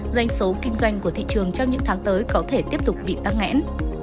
doanh số kinh doanh của thị trường trong những tháng tới có thể tiếp tục bị tăng nghẽn